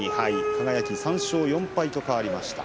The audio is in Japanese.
輝、３勝４敗と変わりました。